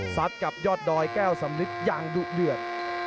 สัดกับยอดดอยแก้วสำนิทยังดูดเดือด